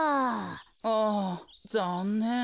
あざんねん。